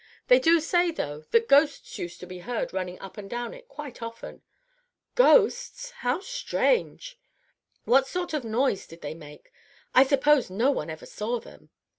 They do say, though, that ghosts used to be heard running up and down it quite often." "Ghosts! How strange! What sort of noise did they make? I suppose no one ever saw them."